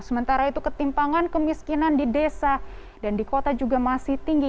sementara itu ketimpangan kemiskinan di desa dan di kota juga masih tinggi